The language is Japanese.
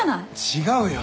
違うよ！